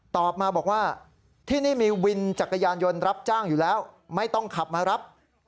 ตอบมาบอกว่าที่นี่มีวินจักรยานยนต์รับจ้างอยู่แล้วไม่ต้องขับมารับ